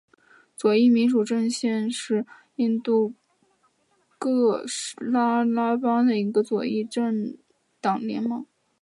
左翼民主阵线是印度喀拉拉邦的一个左翼政党联盟。